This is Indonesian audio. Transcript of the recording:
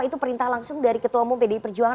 itu perintah langsung dari ketua umum pdi perjuangan